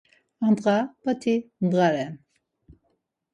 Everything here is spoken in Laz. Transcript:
Andğa p̌at̆i ndğa ren.